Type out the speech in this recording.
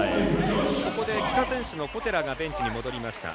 ここで帰化選手の小寺がベンチに戻りました。